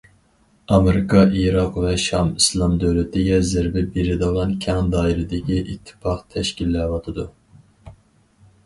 ئامېرىكا ئىراق ۋە شام ئىسلام دۆلىتىگە زەربە بېرىدىغان كەڭ دائىرىدىكى ئىتتىپاق تەشكىللەۋاتىدۇ.